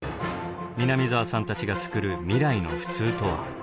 南澤さんたちがつくる未来の普通とは？